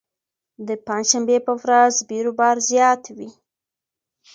د پنجشنبې په ورځ بېروبار زیات وي.